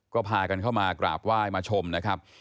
ก็พากันเข้ามากราบไหว้มาชมนะครับ